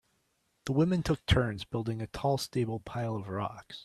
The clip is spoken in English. The women took turns building a tall stable pile of rocks.